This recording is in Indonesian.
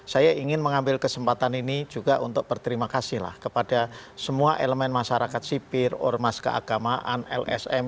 saya ingin mengambil kesempatan ini juga untuk berterima kasihlah kepada semua elemen masyarakat sipir ormas keagamaan lsm